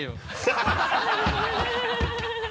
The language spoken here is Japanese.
ハハハ